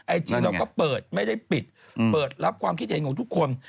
ไอจีเราก็เปิดไม่ได้ปิดเปิดรับความคิดเห็นของทุกคน